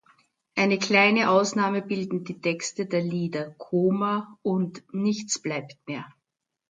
Eine kleine Ausnahme bilden die Texte der Lieder "Koma" und "Nichts bleibt mehr".